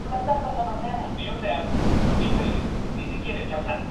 Fue fundador, director y presidente del Centro "Carlos Walker Martínez".